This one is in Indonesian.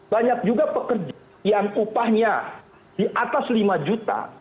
banyak juga pekerja yang upahnya di atas lima juta